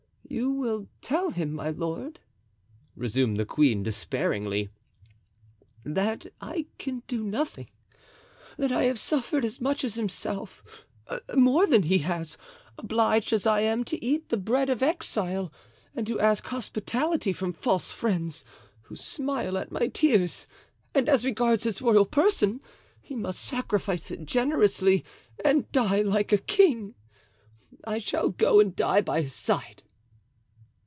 "You will tell him, my lord," resumed the queen, despairingly, "that I can do nothing; that I have suffered as much as himself—more than he has—obliged as I am to eat the bread of exile and to ask hospitality from false friends who smile at my tears; and as regards his royal person, he must sacrifice it generously and die like a king. I shall go and die by his side."